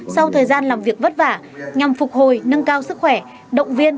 sau thời gian làm việc vất vả nhằm phục hồi nâng cao sức khỏe động viên